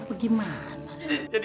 begini anak muda